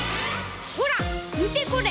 ほらみてこれ！